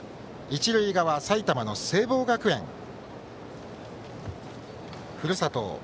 一塁側、埼玉の聖望学園のふるさと